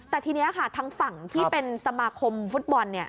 แต่ทีนี้ค่ะทางฝั่งที่เป็นสมาคมฟุตบอล